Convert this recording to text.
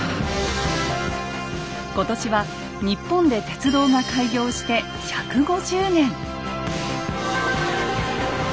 今年は日本で鉄道が開業して１５０年。